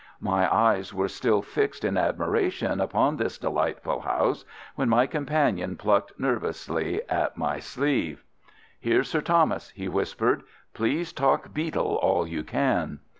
My eyes were still fixed in admiration upon this delightful house when my companion plucked nervously at my sleeve. "Here's Sir Thomas," he whispered. "Please talk beetle all you can."